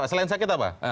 selain sakit apa